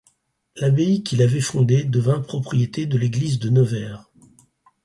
L'abbaye qu'il avait fondée devint propriété de l'Église de Nevers.